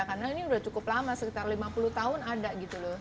karena ini udah cukup lama sekitar lima puluh tahun ada gitu loh